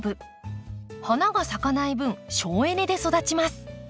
花が咲かない分省エネで育ちます。